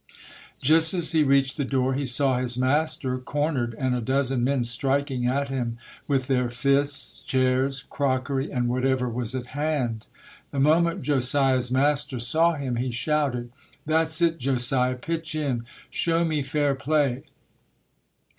Just as he reached the door he saw his master cornered and a dozen men striking at him with their fists, chairs, crockery and whatever was at hand. The moment Josiah's master saw him he shouted, "That's it, Josiah! Pitch in! Show me fair play!"